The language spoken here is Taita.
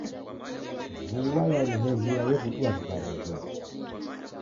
Vua ya luhehia yew'udua vigharo vedu